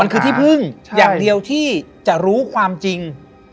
คือที่พึ่งอย่างเดียวที่จะรู้ความจริง